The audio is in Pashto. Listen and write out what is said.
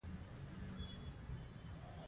بازار د تولید وخت ته هیڅ پاملرنه نه کوله.